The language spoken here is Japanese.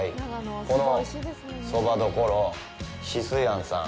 このそば処志水庵さん。